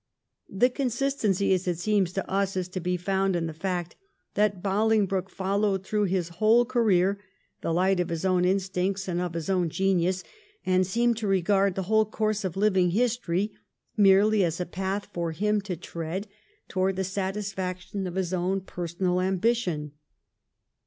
The consistency, as it seems to us, is to be found in the fact that Bolingbroke followed through his whole career the light of his own instincts and of his own genius, and seemed to regard the whole course of living history merely as a path for him to tread towards the satisfaction of his own personal ambition.